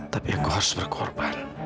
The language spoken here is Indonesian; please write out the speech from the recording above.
tapi aku harus berkorban